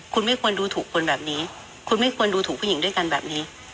คุณไม่ควรดูถูกคนแบบนี้คุณไม่ควรดูถูกผู้หญิงด้วยกันแบบนี้